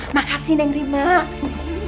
mak kasih nengri mak